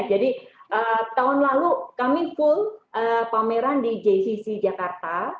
jadi tahun lalu kami full pameran di gcc jakarta